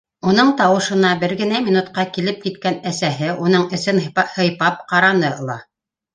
Уның тауышына бер генә минутҡа килеп киткән әсәһе уның эсен һыйпап ҡараны ла: